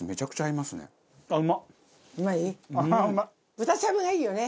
豚しゃぶがいいよね！